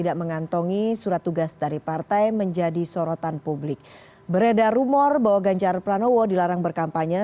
ketua dpp pdi perjuangan